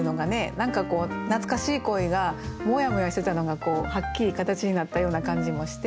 何か懐かしい恋がもやもやしてたのがはっきり形になったような感じもして。